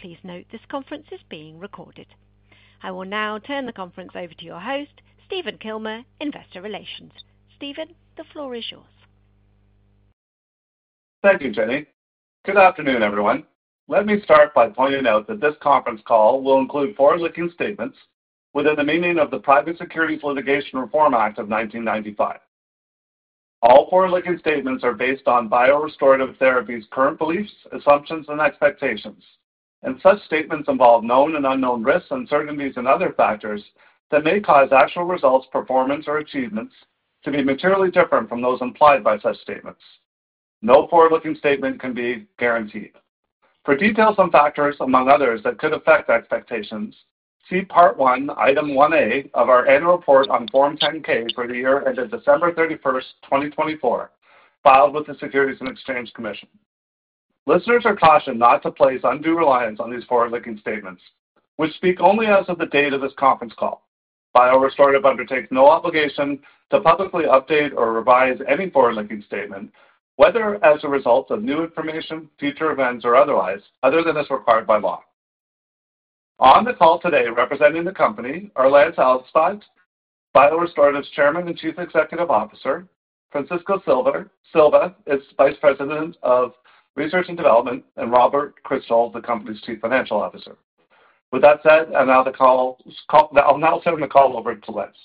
Please note this conference is being recorded. I will now turn the conference over to your host, Stephen Kilmer, Investor Relations. Stephen, the floor is yours. Thank you, Jenny. Good afternoon, everyone. Let me start by pointing out that this conference call will include forward-looking statements within the meaning of the Private Securities Litigation Reform Act of 1995. All forward-looking statements are based on BioRestorative Therapies' current beliefs, assumptions, and expectations. Such statements involve known and unknown risks, uncertainties, and other factors that may cause actual results, performance, or achievements to be materially different from those implied by such statements. No forward-looking statement can be guaranteed. For details on factors, among others, that could affect expectations, see Part 1, Item 1A, of our Annual Report on Form 10-K for the year ended December 31, 2024, filed with the Securities and Exchange Commission. Listeners are cautioned not to place undue reliance on these forward-looking statements, which speak only as of the date of this conference call. BioRestorative undertakes no obligation to publicly update or revise any forward-looking statement, whether as a result of new information, future events, or otherwise, other than as required by law. On the call today, representing the company, are Lance Alstodt, BioRestorative's Chairman and Chief Executive Officer, Francisco Silva, Vice President of Research and Development, and Robert Kristal, the company's Chief Financial Officer. With that said, I'll now turn the call over to Lance.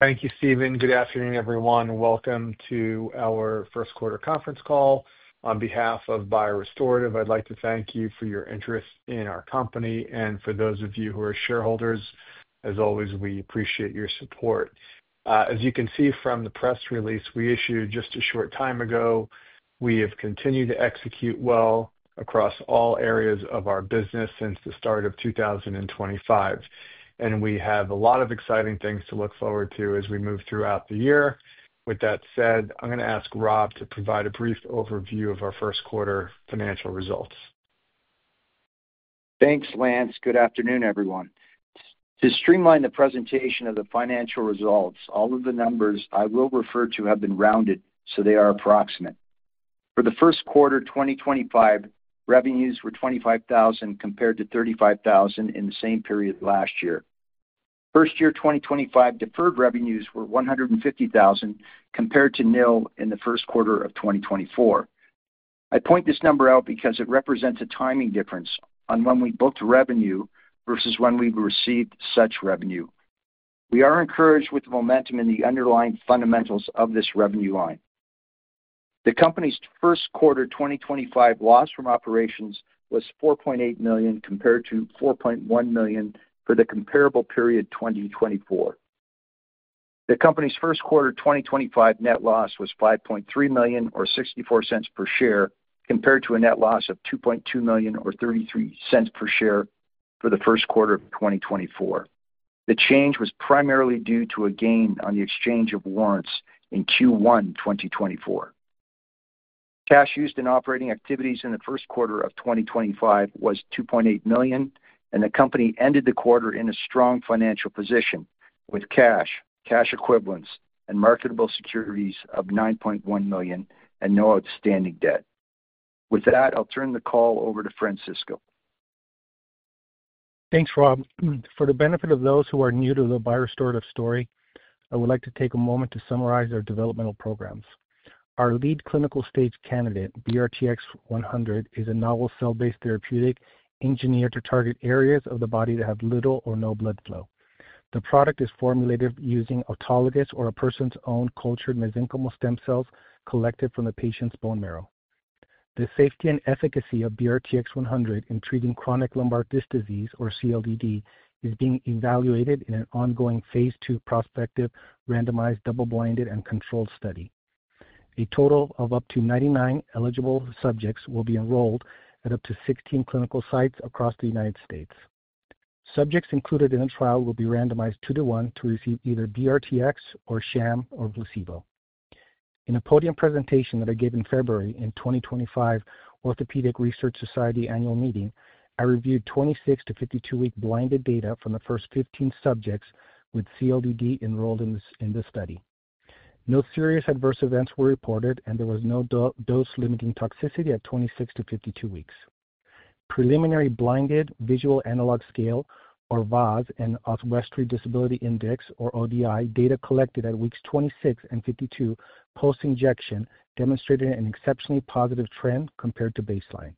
Thank you, Stephen. Good afternoon, everyone. Welcome to our first-quarter conference call. On behalf of BioRestorative Therapies, I'd like to thank you for your interest in our company and for those of you who are shareholders. As always, we appreciate your support. As you can see from the press release we issued just a short time ago, we have continued to execute well across all areas of our business since the start of 2024. We have a lot of exciting things to look forward to as we move throughout the year. With that said, I'm going to ask Rob to provide a brief overview of our first-quarter financial results. Thanks, Lance. Good afternoon, everyone. To streamline the presentation of the financial results, all of the numbers I will refer to have been rounded, so they are approximate. For the first quarter 2025, revenues were $25,000 compared to $35,000 in the same period last year. First quarter 2025 deferred revenues were $150,000 compared to nil in the first quarter of 2024. I point this number out because it represents a timing difference on when we booked revenue versus when we received such revenue. We are encouraged with the momentum in the underlying fundamentals of this revenue line. The company's first quarter 2025 loss from operations was $4.8 million compared to $4.1 million for the comparable period 2024. The company's first quarter 2025 net loss was $5.3 million, or $0.64 per share, compared to a net loss of $2.2 million, or $0.33 per share for the first quarter of 2024. The change was primarily due to a gain on the exchange of warrants in Q1 2024. Cash used in operating activities in the first quarter of 2024 was $2.8 million, and the company ended the quarter in a strong financial position with cash, cash equivalents, and marketable securities of $9.1 million and no outstanding debt. With that, I'll turn the call over to Francisco. Thanks, Rob. For the benefit of those who are new to the BioRestorative story, I would like to take a moment to summarize our developmental programs. Our lead clinical stage candidate, BRTX-100, is a novel cell-based therapeutic engineered to target areas of the body that have little or no blood flow. The product is formulated using autologous or a person's own cultured mesenchymal stem cells collected from the patient's bone marrow. The safety and efficacy of BRTX-100 in treating chronic lumbar disc disease, or CLDD, is being evaluated in an ongoing phase II prospective randomized double-blinded and controlled study. A total of up to 99 eligible subjects will be enrolled at up to 16 clinical sites across the United States. Subjects included in the trial will be randomized two to one to receive either BRTX or sham or placebo. In a podium presentation that I gave in February in 2025 at the Orthopedic Research Society annual meeting, I reviewed 26-52 week blinded data from the first 15 subjects with CLDD enrolled in this study. No serious adverse events were reported, and there was no dose-limiting toxicity at 26-52 weeks. Preliminary blinded visual analog scale, or VAS, and Oswestry Disability Index, or ODI, data collected at weeks 26 and 52 post-injection demonstrated an exceptionally positive trend compared to baseline.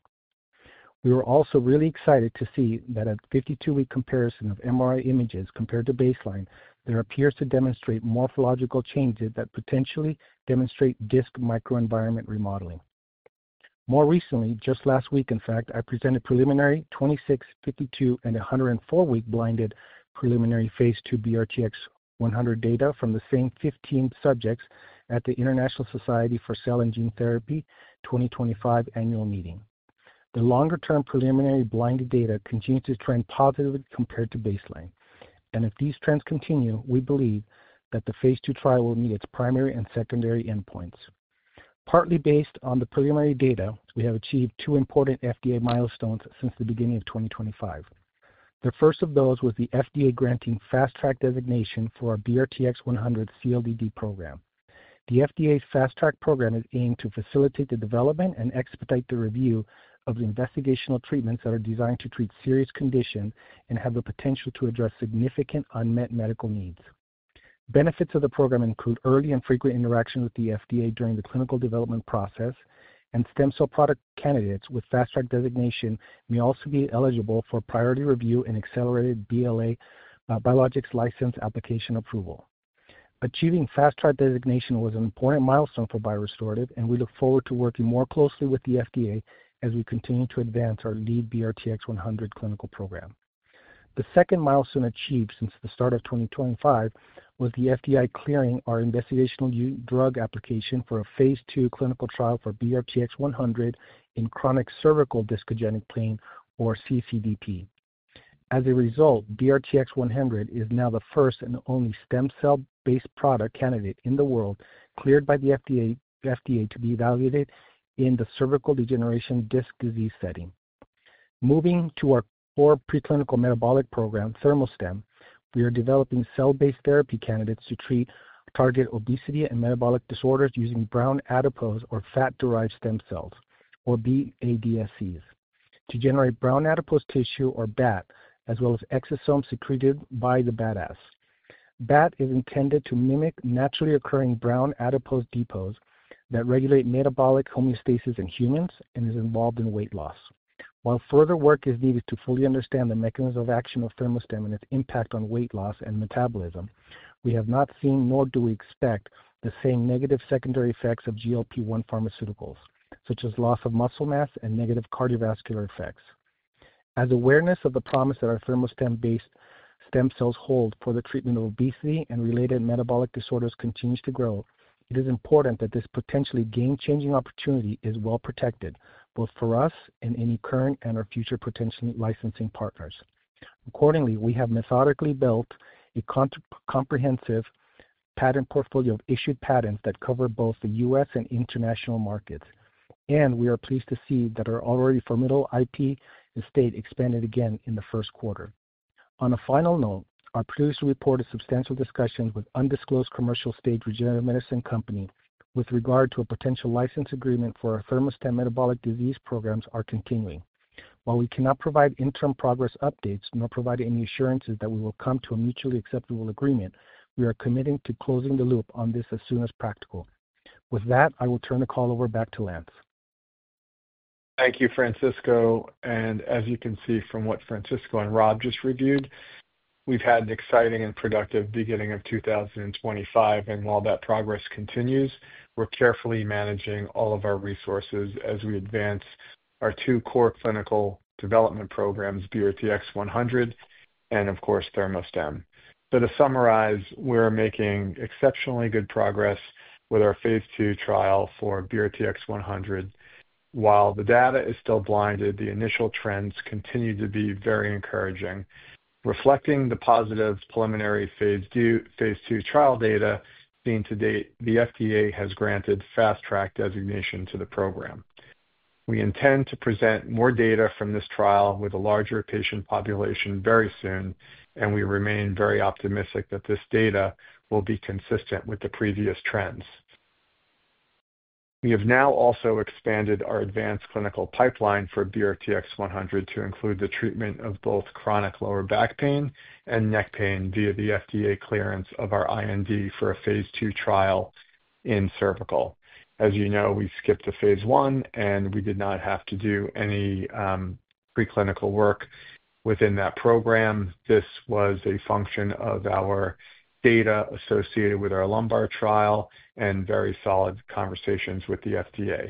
We were also really excited to see that at 52-week comparison of MRI images compared to baseline, there appears to demonstrate morphological changes that potentially demonstrate disc microenvironment remodeling. More recently, just last week, in fact, I presented preliminary 26, 52, and 104-week blinded preliminary phase II BRTX-100 data from the same 15 subjects at the International Society for Cell and Gene Therapy 2025 annual meeting. The longer-term preliminary blinded data continues to trend positively compared to baseline. If these trends continue, we believe that the phase II trial will meet its primary and secondary endpoints. Partly based on the preliminary data, we have achieved two important FDA milestones since the beginning of 2025. The first of those was the FDA granting fast-track designation for our BRTX-100 CLDD program. The FDA's fast-track program is aimed to facilitate the development and expedite the review of investigational treatments that are designed to treat serious conditions and have the potential to address significant unmet medical needs. Benefits of the program include early and frequent interaction with the FDA during the clinical development process, and stem cell product candidates with fast-track designation may also be eligible for priority review and accelerated BLA Biologics License Application approval. Achieving fast-track designation was an important milestone for BioRestorative, and we look forward to working more closely with the FDA as we continue to advance our lead BRTX-100 clinical program. The second milestone achieved since the start of 2025 was the FDA clearing our investigational drug application for a phase II clinical trial for BRTX-100 in chronic cervical discogenic pain, or CCDP. As a result, BRTX-100 is now the first and only stem cell-based product candidate in the world cleared by the FDA to be evaluated in the cervical degeneration disc disease setting. Moving to our core preclinical metabolic program, ThermoStem, we are developing cell-based therapy candidates to treat target obesity and metabolic disorders using brown adipose or fat-derived stem cells, or BADSCs, to generate brown adipose tissue, or BAT, as well as exosomes secreted by the BAT asse. BAT is intended to mimic naturally occurring brown adipose depots that regulate metabolic homeostasis in humans and is involved in weight loss. While further work is needed to fully understand the mechanism of action of ThermoStem and its impact on weight loss and metabolism, we have not seen, nor do we expect, the same negative secondary effects of GLP-1 pharmaceuticals, such as loss of muscle mass and negative cardiovascular effects. As awareness of the promise that our ThermoStem-based stem cells hold for the treatment of obesity and related metabolic disorders continues to grow, it is important that this potentially game-changing opportunity is well protected, both for us and any current and our future potential licensing partners. Accordingly, we have methodically built a comprehensive patent portfolio of issued patents that cover both the U.S. and international markets. We are pleased to see that our already formidable IP estate expanded again in the first quarter. On a final note, our previously reported substantial discussions with an undisclosed commercial stage regenerative medicine company with regard to a potential license agreement for our ThermoStem metabolic disease programs are continuing. While we cannot provide interim progress updates nor provide any assurances that we will come to a mutually acceptable agreement, we are committing to closing the loop on this as soon as practical. With that, I will turn the call over back to Lance. Thank you, Francisco. As you can see from what Francisco and Rob just reviewed, we've had an exciting and productive beginning of 2025. While that progress continues, we're carefully managing all of our resources as we advance our two core clinical development programs, BRTX-100 and, of course, ThermoStem. To summarize, we're making exceptionally good progress with our phase II trial for BRTX-100. While the data is still blinded, the initial trends continue to be very encouraging. Reflecting the positive preliminary phase II trial data seen to date, the FDA has granted fast-track designation to the program. We intend to present more data from this trial with a larger patient population very soon, and we remain very optimistic that this data will be consistent with the previous trends. We have now also expanded our advanced clinical pipeline for BRTX-100 to include the treatment of both chronic lower back pain and neck pain via the FDA clearance of our IND for a phase II trial in cervical. As you know, we skipped the phase I, and we did not have to do any preclinical work within that program. This was a function of our data associated with our lumbar trial and very solid conversations with the FDA.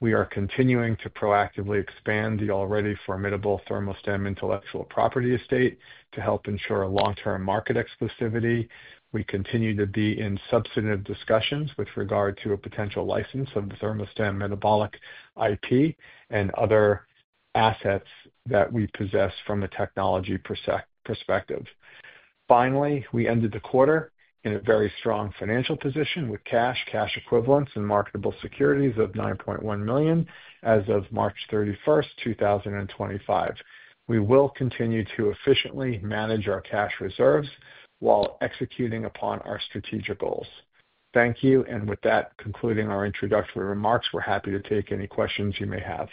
We are continuing to proactively expand the already formidable ThermoStem intellectual property estate to help ensure long-term market exclusivity. We continue to be in substantive discussions with regard to a potential license of the ThermoStem metabolic IP and other assets that we possess from a technology perspective. Finally, we ended the quarter in a very strong financial position with cash, cash equivalents, and marketable securities of $9.1 million as of March 31, 2025. We will continue to efficiently manage our cash reserves while executing upon our strategic goals. Thank you. With that, concluding our introductory remarks, we're happy to take any questions you may have.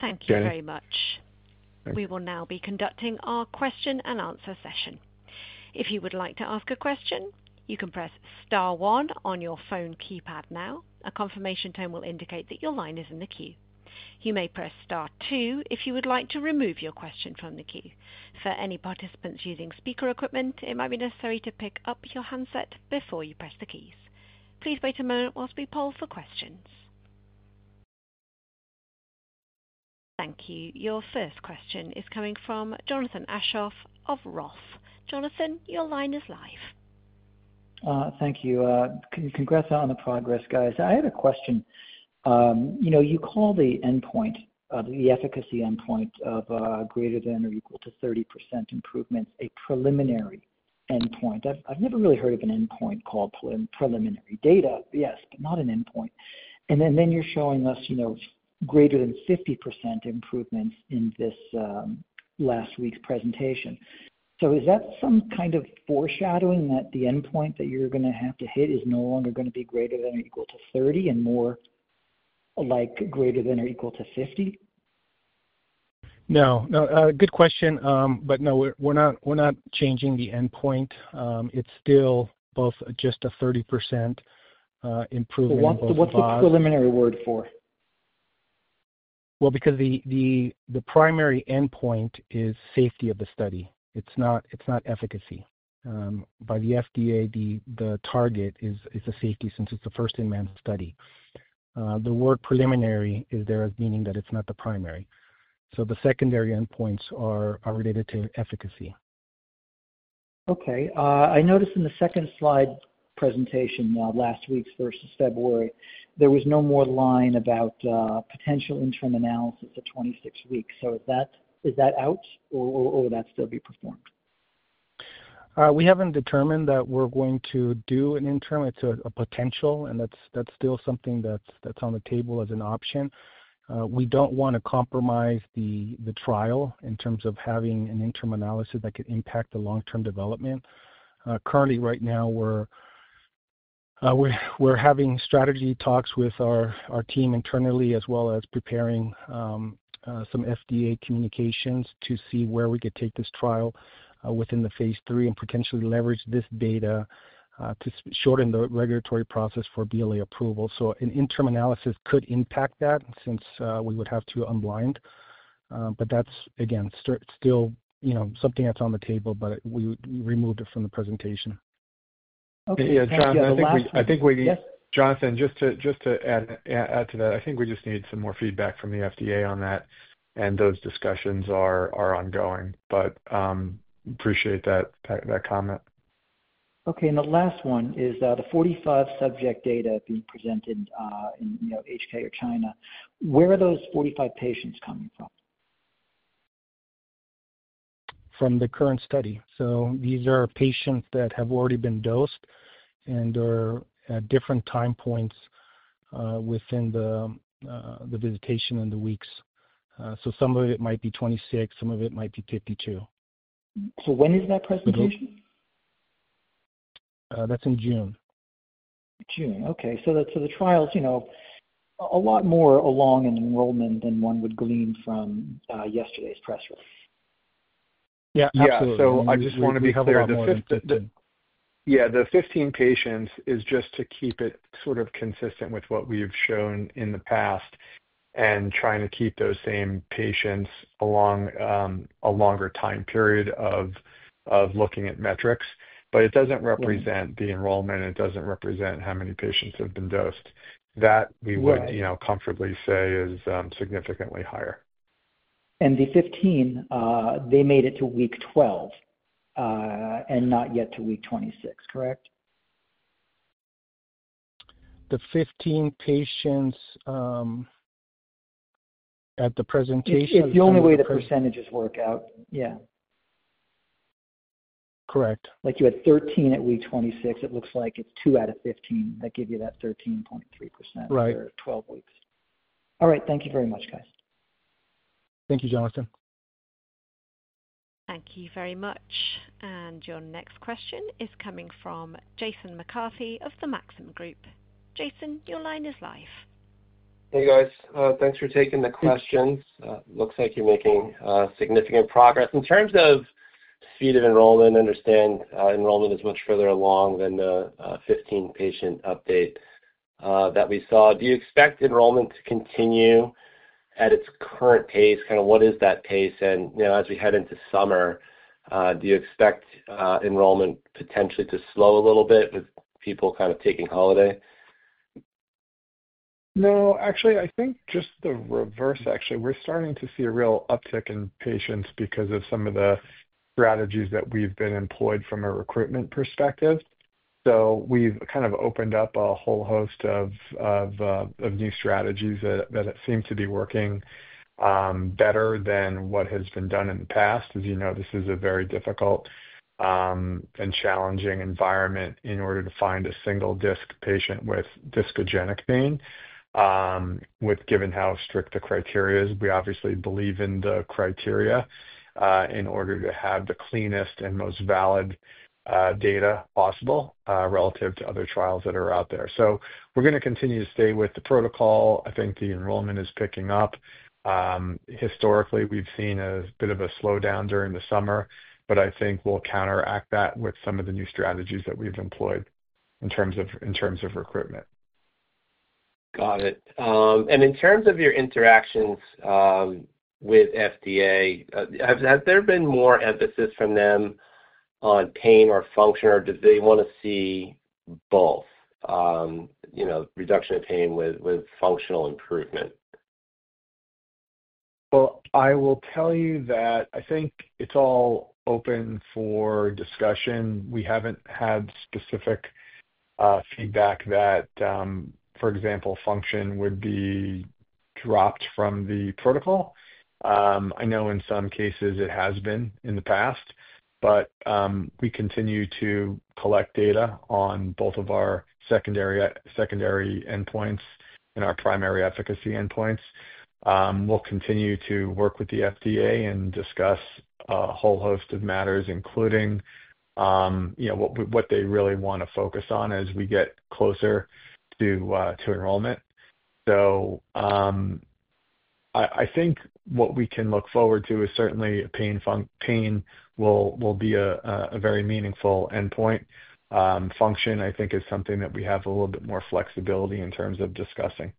Thank you very much. We will now be conducting our question and answer session. If you would like to ask a question, you can press star one on your phone keypad now. A confirmation tone will indicate that your line is in the queue. You may press star two if you would like to remove your question from the queue. For any participants using speaker equipment, it might be necessary to pick up your handset before you press the keys. Please wait a moment whilst we poll for questions. Thank you. Your first question is coming from Jonathan Aschoff of Roth. Jonathan, your line is live. Thank you. Congrats on the progress, guys. I had a question. You call the endpoint, the efficacy endpoint of greater than or equal to 30% improvements, a preliminary endpoint. I've never really heard of an endpoint called preliminary data, yes, but not an endpoint. You are showing us greater than 50% improvements in this last week's presentation. Is that some kind of foreshadowing that the endpoint that you're going to have to hit is no longer going to be greater than or equal to 30% and more like greater than or equal to 50%? No. No. Good question. No, we're not changing the endpoint. It's still both just a 30% improvement. What's the preliminary word for? Because the primary endpoint is safety of the study. It's not efficacy. By the FDA, the target is the safety since it's a first-in-man study. The word preliminary is there as meaning that it's not the primary. The secondary endpoints are related to efficacy. Okay. I noticed in the second slide presentation last week's versus February, there was no more line about potential interim analysis at 26 weeks. So is that out, or will that still be performed? We haven't determined that we're going to do an interim. It's a potential, and that's still something that's on the table as an option. We don't want to compromise the trial in terms of having an interim analysis that could impact the long-term development. Currently, right now, we're having strategy talks with our team internally, as well as preparing some FDA communications to see where we could take this trial within the phase III and potentially leverage this data to shorten the regulatory process for BLA approval. An interim analysis could impact that since we would have to unblind. That's, again, still something that's on the table, but we removed it from the presentation. Okay. Yeah. Jonathan, I think we need—Jonathan, just to add to that, I think we just need some more feedback from the FDA on that. Those discussions are ongoing. Appreciate that comment. Okay. The last one is the 45 subject data being presented in Hong Kong or China. Where are those 45 patients coming from? From the current study. These are patients that have already been dosed and are at different time points within the visitation and the weeks. Some of it might be 26. Some of it might be 52. When is that presentation? That's in June. June. Okay. The trial's a lot more along in enrollment than one would glean from yesterday's press release. Yeah. Absolutely. Yeah. I just want to be clear. Yeah. The 15 patients is just to keep it sort of consistent with what we've shown in the past and trying to keep those same patients along a longer time period of looking at metrics. It doesn't represent the enrollment, and it doesn't represent how many patients have been dosed. That we would comfortably say is significantly higher. The 15, they made it to week 12 and not yet to week 26, correct? The 15 patients at the presentation of the 15. It's the only way the percentages work out. Yeah. Correct. Like you had 13 at week 26. It looks like it's 2 out of 15 that give you that 13.3% for 12 weeks. All right. Thank you very much, guys. Thank you, Jonathan. Thank you very much. Your next question is coming from Jason McCarthy of Maxim Group. Jason, your line is live. Hey, guys. Thanks for taking the questions. Looks like you're making significant progress. In terms of speed of enrollment, I understand enrollment is much further along than the 15-patient update that we saw. Do you expect enrollment to continue at its current pace? Kind of what is that pace? As we head into summer, do you expect enrollment potentially to slow a little bit with people kind of taking holiday? No. Actually, I think just the reverse, actually. We're starting to see a real uptick in patients because of some of the strategies that we've been employed from a recruitment perspective. We've kind of opened up a whole host of new strategies that seem to be working better than what has been done in the past. As you know, this is a very difficult and challenging environment in order to find a single disc patient with discogenic pain. Given how strict the criteria is, we obviously believe in the criteria in order to have the cleanest and most valid data possible relative to other trials that are out there. We're going to continue to stay with the protocol. I think the enrollment is picking up. Historically, we've seen a bit of a slowdown during the summer, but I think we'll counteract that with some of the new strategies that we've employed in terms of recruitment. Got it. In terms of your interactions with FDA, has there been more emphasis from them on pain or function, or do they want to see both, reduction of pain with functional improvement? I will tell you that I think it's all open for discussion. We haven't had specific feedback that, for example, function would be dropped from the protocol. I know in some cases it has been in the past, but we continue to collect data on both of our secondary endpoints and our primary efficacy endpoints. We'll continue to work with the FDA and discuss a whole host of matters, including what they really want to focus on as we get closer to enrollment. I think what we can look forward to is certainly pain will be a very meaningful endpoint. Function, I think, is something that we have a little bit more flexibility in terms of discussing.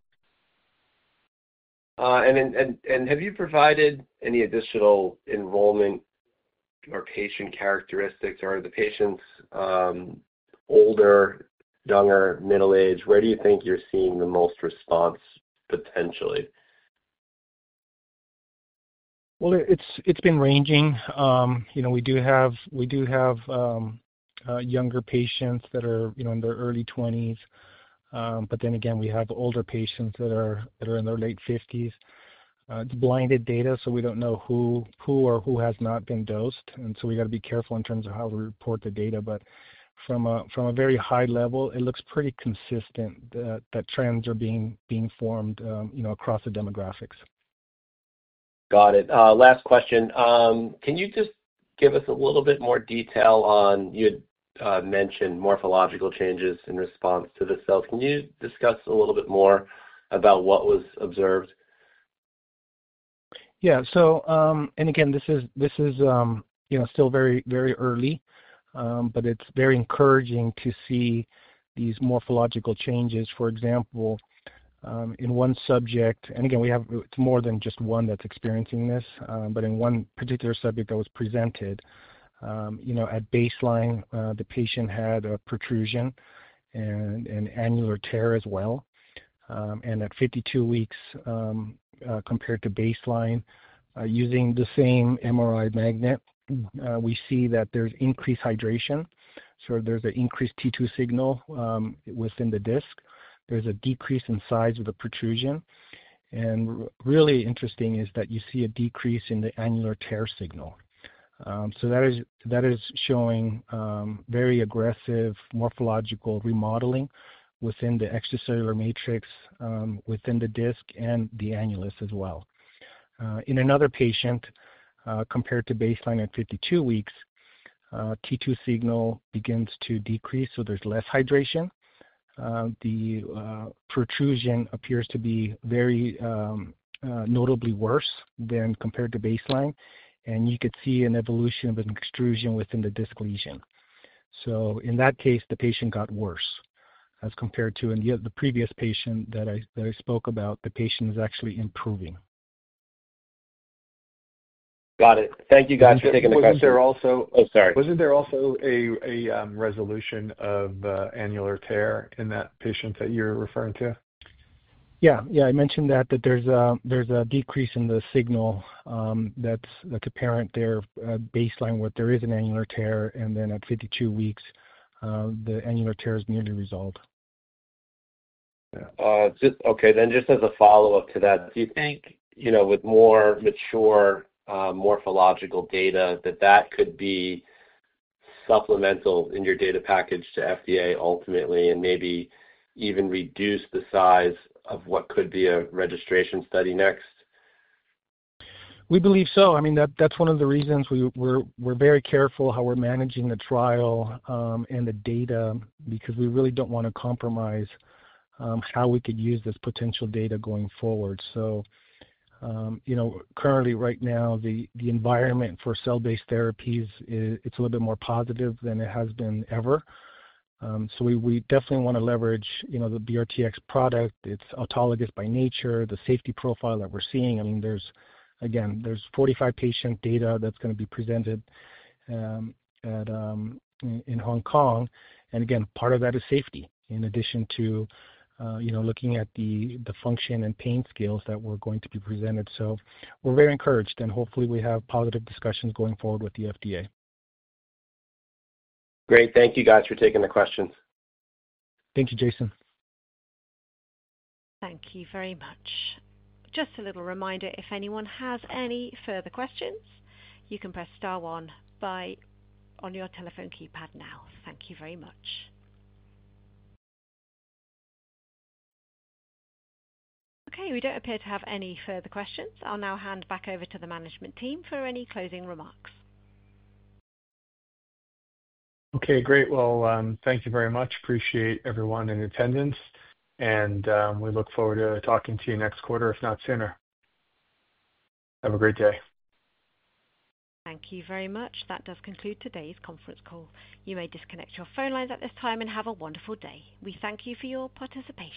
Have you provided any additional enrollment or patient characteristics? Are the patients older, younger, middle-aged? Where do you think you're seeing the most response, potentially? It has been ranging. We do have younger patients that are in their early 20s. Then again, we have older patients that are in their late 50s. It is blinded data, so we do not know who or who has not been dosed. We have to be careful in terms of how we report the data. From a very high level, it looks pretty consistent that trends are being formed across the demographics. Got it. Last question. Can you just give us a little bit more detail on you had mentioned morphological changes in response to the cells. Can you discuss a little bit more about what was observed? Yeah. Again, this is still very, very early, but it's very encouraging to see these morphological changes. For example, in one subject—and again, it's more than just one that's experiencing this—but in one particular subject that was presented, at baseline, the patient had a protrusion and an annular tear as well. At 52 weeks, compared to baseline, using the same MRI magnet, we see that there's increased hydration. There's an increased T2 signal within the disc. There's a decrease in size of the protrusion. Really interesting is that you see a decrease in the annular tear signal. That is showing very aggressive morphological remodeling within the extracellular matrix, within the disc, and the annulus as well. In another patient, compared to baseline at 52 weeks, T2 signal begins to decrease, so there's less hydration. The protrusion appears to be notably worse than compared to baseline. You could see an evolution of an extrusion within the disc lesion. In that case, the patient got worse as compared to the previous patient that I spoke about. The patient is actually improving. Got it. Thank you, guys, for taking the question. Wasn't there also— Oh, sorry. Wasn't there also a resolution of the annular tear in that patient that you're referring to? Yeah. Yeah. I mentioned that there's a decrease in the signal that's apparent there at baseline where there is an annular tear. And then at 52 weeks, the annular tear is nearly resolved. Okay. Just as a follow-up to that, do you think with more mature morphological data that that could be supplemental in your data package to FDA ultimately and maybe even reduce the size of what could be a registration study next? We believe so. I mean, that's one of the reasons we're very careful how we're managing the trial and the data because we really don't want to compromise how we could use this potential data going forward. Currently, right now, the environment for cell-based therapies, it's a little bit more positive than it has been ever. We definitely want to leverage the BRTX-100 product. It's autologous by nature. The safety profile that we're seeing—I mean, again, there's 45-patient data that's going to be presented in Hong Kong. Again, part of that is safety in addition to looking at the function and pain scales that are going to be presented. We're very encouraged. Hopefully, we have positive discussions going forward with the FDA. Great. Thank you, guys, for taking the questions. Thank you, Jason. Thank you very much. Just a little reminder, if anyone has any further questions, you can press star one on your telephone keypad now. Thank you very much. Okay. We do not appear to have any further questions. I'll now hand back over to the management team for any closing remarks. Okay. Great. Thank you very much. Appreciate everyone in attendance. We look forward to talking to you next quarter, if not sooner. Have a great day. Thank you very much. That does conclude today's conference call. You may disconnect your phone lines at this time and have a wonderful day. We thank you for your participation.